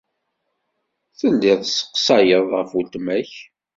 Telliḍ tesseqsayeḍ ɣef weltma-k.